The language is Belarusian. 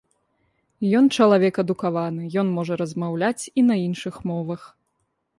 Ён чалавек адукаваны, ён можа размаўляць і на іншых мовах.